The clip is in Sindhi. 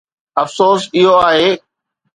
افسوس، اهو آهي.